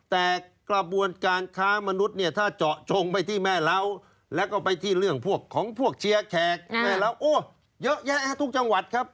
แต่กระบวนการค้ามนุษย์เนี่ยถ้าเจาะจงไปที่แม่เล้าแล้วก็ไปที่เรื่องพวกของพวกเชียร์แขกแม่เหล้าโอ้เยอะแยะทุกจังหวัดครับ